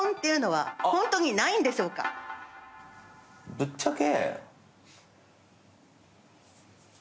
「ぶっちゃけ」